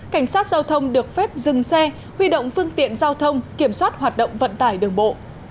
cảnh sát giao thông được phép dừng xe huy động phương tiện giao thông kiểm soát hoạt động vận tải đường bộ